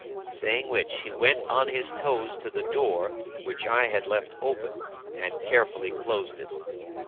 Saying which, he went on his toes to the door, which I had left open, and carefully closed it.